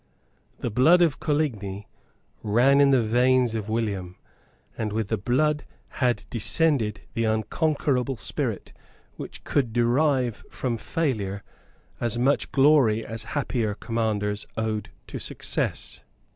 The blood of Coligni ran in the veins of William; and with the blood had descended the unconquerable spirit which could derive from failure as much glory as happier commanders owed to success.